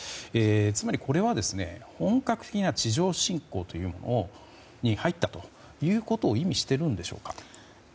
つまり、これは本格的な地上作戦に入ったということを意味しているんでしょうか。